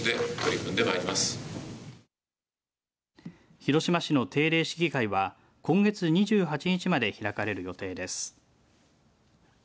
広島市の定例市議会は今月２８日まで開かれる予定です。